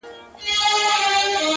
ويل زه يوه مورکۍ لرم پاتيږي٫